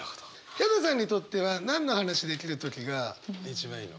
ヒャダさんにとっては何の話できる時が一番いいの？